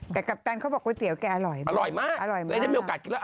แต่กัปตันเขาบอกก๋วยเตี๋ยวแกอร่อยอร่อยมากอร่อยมากมีโอกาสกินแล้ว